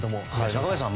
中林さん